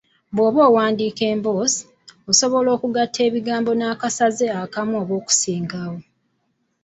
Bw’oba owandiika emboozi, osobola okugatta ebigambo n’akasaze akamu oba okusingawo.